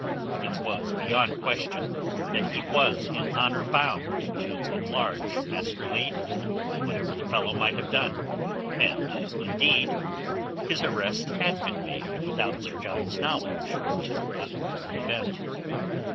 It was beyond question that he was in honour bound to enlarge Master Leigh, whatever the fellow might have done; and, indeed, his arrest had been made without Sir John's knowledge until after the event.